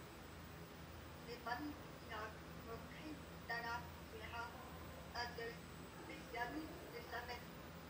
Les familles du village sont: Krim, Talah, Serrah, Adel, Meziani et Samet.